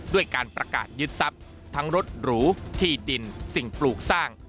ด้วยการประกาศยึดทรัพย์ทั้งรถหรูที่ดินสิ่งปลูกสร้าง